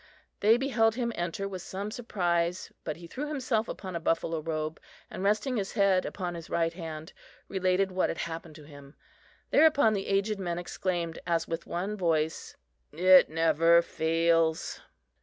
They beheld him enter with some surprise; but he threw himself upon a buffalo robe, and resting his head upon his right hand, related what had happened to him. Thereupon the aged men exclaimed as with one voice: "It never fails!"